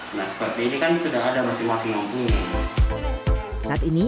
kucing kucing itu begitu nah seperti ini kan sudah ada masing masing mampu saat ini